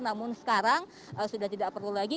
namun sekarang sudah tidak perlu lagi